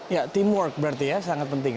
ya teamwork berarti ya sangat penting